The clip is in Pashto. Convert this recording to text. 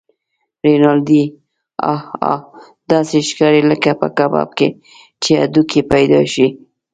رینالډي: اه اه! داسې ښکارې لکه په کباب کې چې هډوکی پیدا شوی.